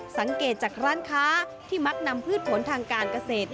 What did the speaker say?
สังเกตจากร้านค้าที่มักนำพืชผลทางการเกษตร